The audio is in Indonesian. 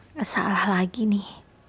ngesalah lagi nih